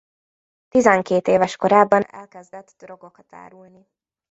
Tizenkét éves korában elkezdett drogokat árulni.